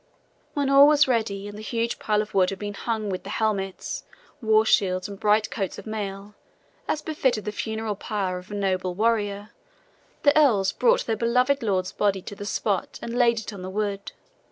When all was ready and the huge pile of wood had been hung with helmets, war shields and bright coats of mail, as befitted the funeral pyre of a noble warrior, the earls brought their beloved lord's body to the spot and laid it on the wood.